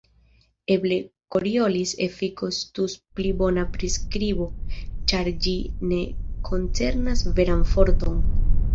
Eble Koriolis-efiko estus pli bona priskribo, ĉar ĝi ne koncernas veran forton.